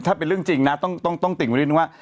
ถ้าเป็นเรื่องจริงนะต้องติ่งไว้นิดนึงว่า